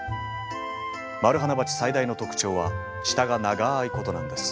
マルハナバチ最大の特徴は舌が長いことなんです。